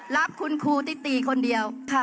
รับคุณครูติติคนเดียวค่ะ